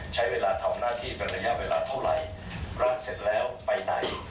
ใช้เวลาทำหน้าที่เป็นระยะเวลาเท่าไหร่ร่างเสร็จแล้วไปไหน